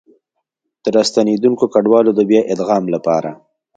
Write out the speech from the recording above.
د راستنېدونکو کډوالو د بيا ادغام لپاره